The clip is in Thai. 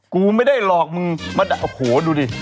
กูไม่ได้หลอกมึงมาโอ้โหดูดิ